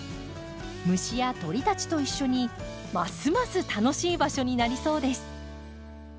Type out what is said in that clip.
虫や鳥たちと一緒にますます楽しい場所になりそうです。